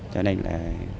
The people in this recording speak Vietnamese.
cho nên là